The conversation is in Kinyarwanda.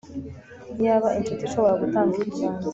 iyaba inshuti ishobora gutanga ikiganza